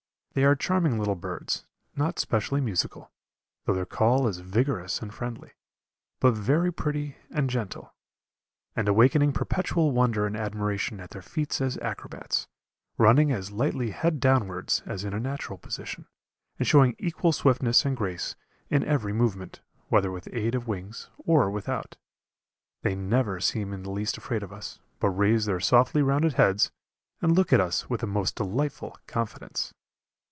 They are charming little birds, not specially musical, though their call is vigorous and friendly, but very pretty and gentle, and awakening perpetual wonder and admiration at their feats as acrobats, running as lightly head downwards as in a natural position, and showing equal swiftness and grace in every movement, whether with aid of wings or without. They never seem in the least afraid of us, but raise their softly rounded heads and look at us with a most delightful confidence.